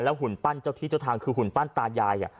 หุ่นปั้นเจ้าที่เจ้าทางคือหุ่นปั้นตายาย